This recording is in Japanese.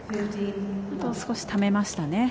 少しためましたね。